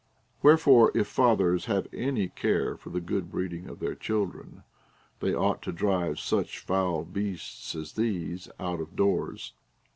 Wherefore, if fathers have any care for the good breeding of their children, they ought to drive such foul beasts as these out of doors.